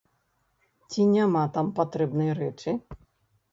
Ці няма там патрэбнай рэчы?